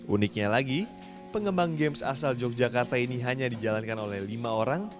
uniknya lagi pengembang games asal yogyakarta ini hanya dijalankan oleh lima orang